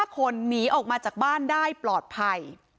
๕คนหนีออกมาจากบ้านได้ปลอดภัย